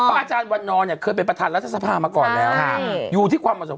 อาจารย์วันนอกเคยเป็นประธานรัฐสภามาก่อนแล้ว